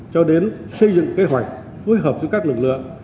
cho đến xây dựng kế hoạch phối hợp giữa các lực lượng